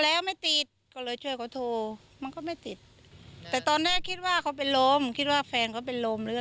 แล้วไม่ติดก็เลยช่วยเขาโทรมันก็ไม่ติดแต่ตอนแรกคิดว่าเขาเป็นลมคิดว่าแฟนเขาเป็นลมหรือ